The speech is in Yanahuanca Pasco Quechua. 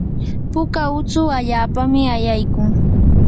puka utsu allapami ayaykun.